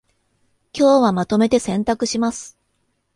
今日はまとめて洗濯します